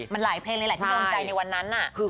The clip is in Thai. มันหลายเพลงเลยหลายที่โดนใจในวันนั้น